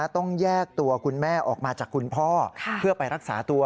ต้องแยกตัวคุณแม่ออกมาจากคุณพ่อเพื่อไปรักษาตัว